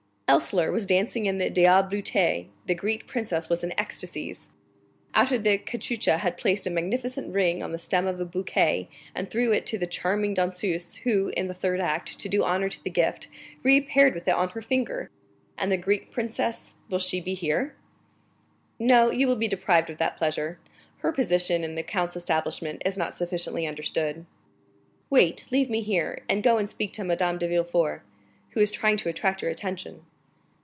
Elssler was dancing in Le Diable boiteux; the Greek princess was in ecstasies. After the cachucha he placed a magnificent ring on the stem of a bouquet, and threw it to the charming danseuse, who, in the third act, to do honor to the gift, reappeared with it on her finger. And the Greek princess,—will she be here?" "No, you will be deprived of that pleasure; her position in the count's establishment is not sufficiently understood." "Wait; leave me here, and go and speak to Madame de Villefort, who is trying to attract your attention."